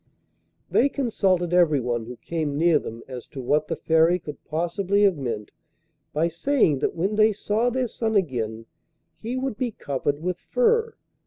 They consulted everyone who came near them as to what the Fairy could possibly have meant by saying that when they saw their son again he would be covered with fur.